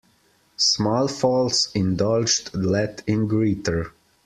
Small faults indulged let in greater.